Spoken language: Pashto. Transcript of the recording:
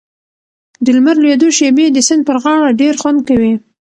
د لمر لوېدو شېبې د سیند پر غاړه ډېر خوند کوي.